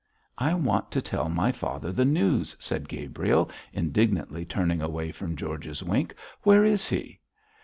'I want to tell my father the news,' said Gabriel, indignantly turning away from George's wink. 'Where is he?'